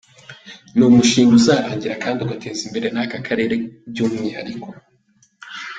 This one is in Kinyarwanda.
Ni umushinga uzarangira kandi ugateza imbere n’aka Karere by’umwihariko.